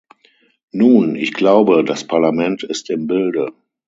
Nun, ich glaube, das Parlament ist im Bilde.